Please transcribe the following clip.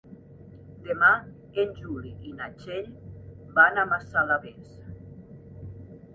Demà en Juli i na Txell van a Massalavés.